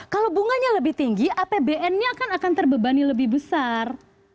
kalau bunganya lebih tinggi apbn nya akan terbebani lebih besar